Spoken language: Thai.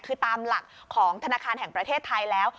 คือตามหลักของธนาคารแห่งประเทศไทยแล้ว